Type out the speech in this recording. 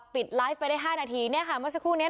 ปิดไลฟ์ไปได้๕นาทีเนี่ยค่ะเมื่อสักครู่นี้